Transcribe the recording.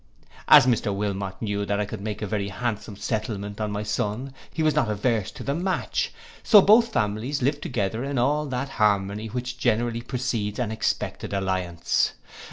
As Mr Wilmot knew that I could make a very handsome settlement on my son, he was not averse to the match; so both families lived together in all that harmony which generally precedes an expected alliance.